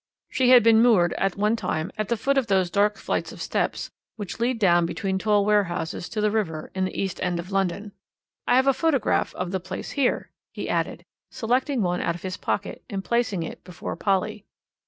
She had been moored at one time at the foot of one of those dark flights of steps which lead down between tall warehouses to the river in the East End of London. I have a photograph of the place here," he added, selecting one out of his pocket, and placing it before Polly.